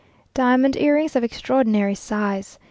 Diamond earrings of extraordinary size.